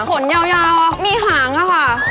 ขนยาวมีหางอะค่ะ